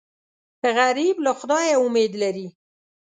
غریب له خدایه امید لري